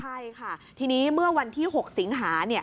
ใช่ค่ะทีนี้เมื่อวันที่๖สิงหาเนี่ย